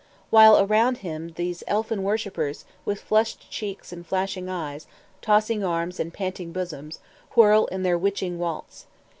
while around him these elfin worshippers, with flushed cheeks and flashing eyes, tossing arms and panting bosoms, whirl in their witching waltz.